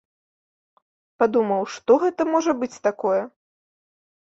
Падумаў, што гэта можа быць такое?